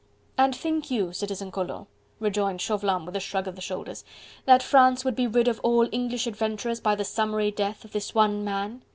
"And think you, Citizen Collot," rejoined Chauvelin with a shrug of the shoulders, "that France would be rid of all English adventurers by the summary death of this one man?"